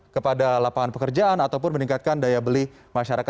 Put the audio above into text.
kepada lapangan pekerjaan ataupun meningkatkan daya beli masyarakat